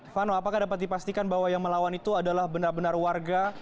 vano apakah dapat dipastikan bahwa yang melawan itu adalah benar benar warga